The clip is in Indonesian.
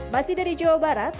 masih dari jawa barat